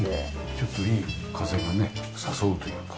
ちょっといい風がね誘うというか。